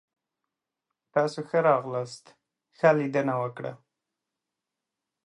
تاسو ښه راغلاست. ښه لیدنه وکړه!